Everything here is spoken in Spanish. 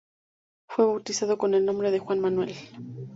Fue bautizado con el nombre de Juan Manuel.